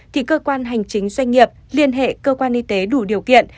thì cơ quan hành chính doanh nghiệp liên hệ cơ quan y tế đủ điều kiện